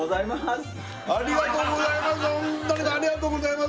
ありがとうございます